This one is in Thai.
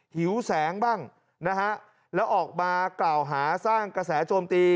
หิวแสงบ้างนะฮะแล้วออกมากล่าวหาสร้างกระแสโจมตี